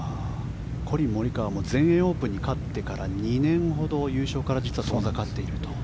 コリン・モリカワの全英オープンに勝ってから２年ほど優勝から実は遠ざかっていると。